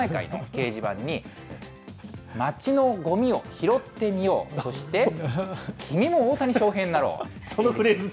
町内会の掲示板に、町のごみを拾ってみよう、そして、君も大谷翔平になろう！